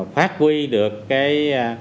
phát huy được cái